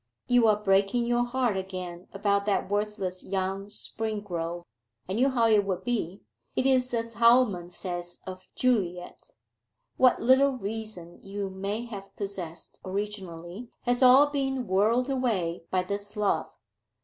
'You are breaking your heart again about that worthless young Springrove. I knew how it would be. It is as Hallam says of Juliet what little reason you may have possessed originally has all been whirled away by this love.